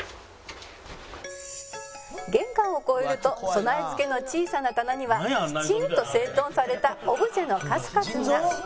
「玄関を越えると備え付けの小さな棚にはきちんと整頓されたオブジェの数々が」